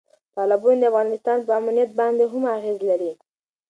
تالابونه د افغانستان په امنیت باندې هم اغېز لري.